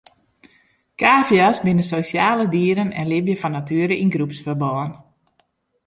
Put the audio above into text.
Kavia's binne sosjale dieren en libje fan natuere yn groepsferbân.